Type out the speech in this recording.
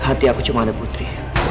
hati aku cuma ada putri